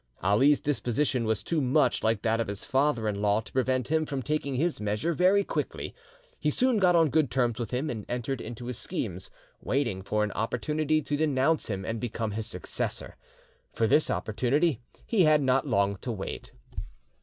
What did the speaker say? Ali's disposition was too much like that of his father in law to prevent him from taking his measure very quickly. He soon got on good terms with him, and entered into his schemes, waiting for an opportunity to denounce him and become his successor. For this opportunity he had not long to wait.